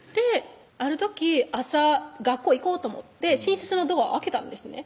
ある時朝学校行こうと思って寝室のドアを開けたんですね